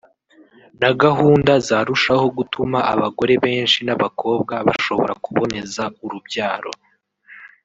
na gahunda zarushaho gutuma abagore benshi n’ abakobwa bashobora kuboneza urubyaro